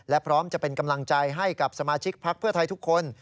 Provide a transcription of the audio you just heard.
และพร้อมจะเป็นกำลังใจให้กับสมาชิกพักเพื่อไทยทุกคน